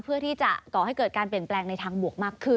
เพื่อที่จะก่อให้เกิดการเปลี่ยนแปลงในทางบวกมากขึ้น